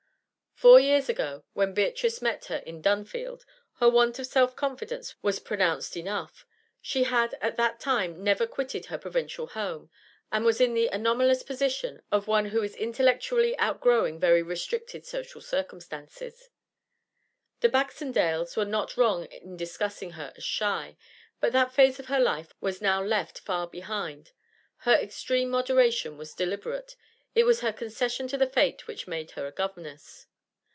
Four years ago, when Beatrice met her in Dunfield, her want of self confidence was pronounced enough; she had at that time never quitted her provincial home, and was in the anomalous position of one who is intellectually outgrowing very restricted social circumstances. The Baxendales were not wrong in discussing her as shy. But that phase of her life was now left far behind. Her extreme moderation was deliberate; it was her concession to the fate which made her a governess.